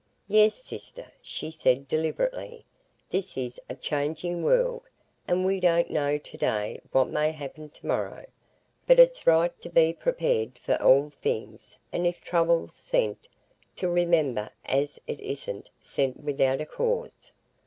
"Yes, sister," she said deliberately, "this is a changing world, and we don't know to day what may happen tomorrow. But it's right to be prepared for all things, and if trouble's sent, to remember as it isn't sent without a cause.